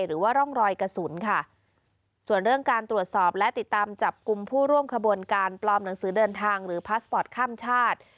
หรือว่าร่องรอยกระสุนค่ะส่วนเรื่องการตรวจสอบและติดตามจับกลุ่มผู้ร่วมขบวนการปลอมหนังสือเดินทางหรือพาสปอร์ตข้ามชาติ